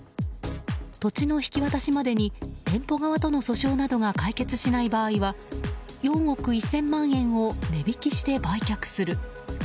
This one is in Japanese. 土地の引き渡しまでに店舗側との訴訟などが解決しない場合は４億１０００万円を値引きして売却する。